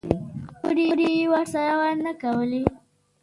خبرې یې ورسره نه کولې.